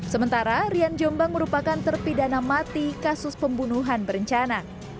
sementara rian jombang merupakan terpidana mati kasus pembunuhan berencana